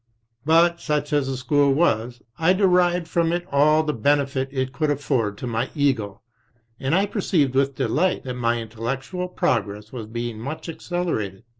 But such as the school was, I derived from it all the benefit it could afford to my ego, and I perceived with de^ light that my intellectual progress was being much acceler ated.